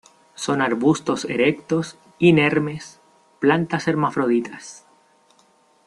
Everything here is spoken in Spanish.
Son arbustos erectos, inermes; plantas hermafroditas.